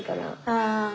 ああ。